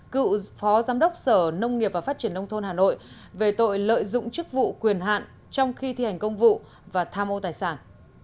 cựu phó giám đốc sở nông nghiệp và phát triển nông thôn hà nội về tội lợi dụng chức vụ quyền hạn trong khi thi hành công vụ và tham ô tài sản